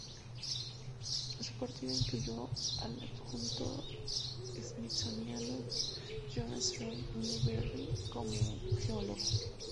Su partida incluyó al adjunto smithsoniano John Strong Newberry como geólogo.